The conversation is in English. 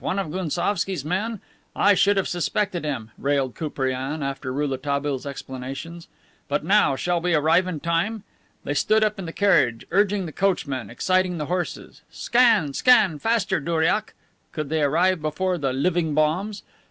One of Gounsovski's men! I should have suspected him," railed Koupriane after Rouletabille's explanations. "But now, shall we arrive in time?" They stood up in the carriage, urging the coachman, exciting the horses: "Scan! Scan! Faster, douriak!" Could they arrive before the "living bombs"?